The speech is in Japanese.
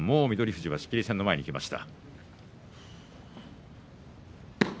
富士は仕切り線の前にいきました。